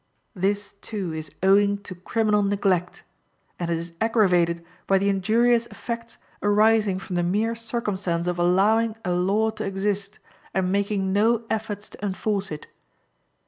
This, too, is owing to criminal neglect, and it is aggravated by the injurious effects arising from the mere circumstance of allowing a law to exist, and making no efforts to enforce it.